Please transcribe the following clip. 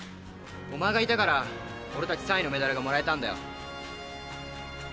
お前がいたから俺たち３位のメダルがもらえたんだよ。